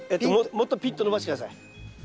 もっとピンと伸ばして下さい。